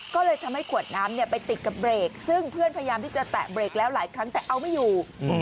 ก็เลยทำให้ขวดน้ำไปติดกับเบรกซึ่งเพื่อนพยายามที่จะแตะเบรกแล้วหลายครั้งแต่เอาไม่อยู่